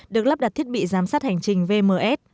được lắp đặt thiết bị giám sát hành trình vms